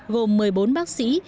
gồm một mươi bốn bác sĩ